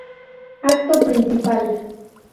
Acto Principal